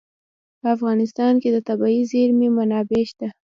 په افغانستان کې د طبیعي زیرمې منابع شته.